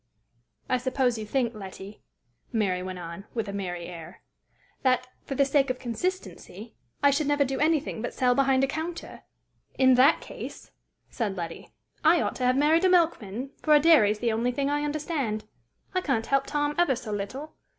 I suppose you think, Letty," Mary went on, with a merry air, "that, for the sake of consistency, I should never do anything but sell behind a counter?" "In that case," said Letty, "I ought to have married a milkman, for a dairy is the only thing I understand. I can't help Tom ever so little!